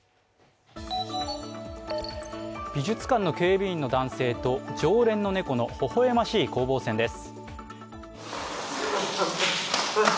美術館の警備員の男性と常連の猫の微笑ましい攻防戦です。